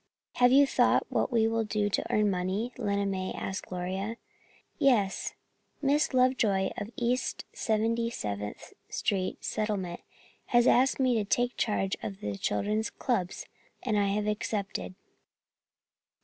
"Have you thought what you will do to earn money?" Lena May asked Gloria. "Yes. Miss Lovejoy of the East Seventy seventh Street Settlement has asked me to take charge of the girls' clubs and I have accepted."